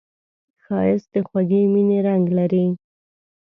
ښایست د خوږې مینې رنګ لري